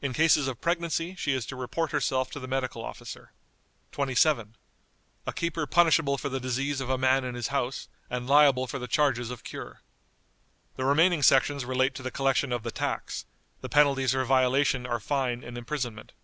In cases of pregnancy she is to report herself to the medical officer." "27. A keeper punishable for the disease of a man in his house, and liable for the charges of cure." The remaining sections relate to the collection of the tax; the penalties for violation are fine and imprisonment.